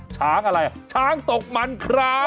ช้างอะไรช้างตกมันครับ